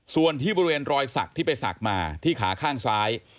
ส่วนที่บริเวณรอยสักที่ไปศักดิ์มาที่ขาข้างซ้าย